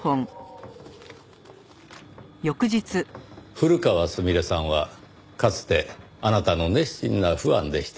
古川すみれさんはかつてあなたの熱心なファンでした。